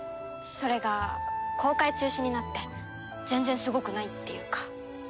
それが公開中止になって全然すごくないっていうか。